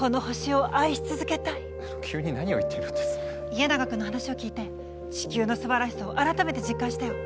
家長君の話を聞いて地球のすばらしさを改めて実感したよ。